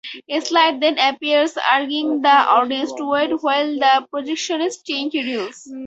A "slide" then appears urging the audience to wait while the projectionist changes reels.